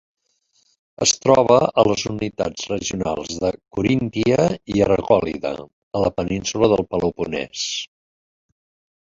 Es troba a les unitats regionals de Coríntia i Argòlida, a la península del Peloponès.